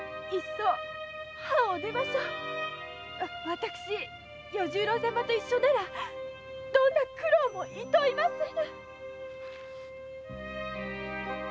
私与十郎様と一緒ならどんな苦労もいといませぬ。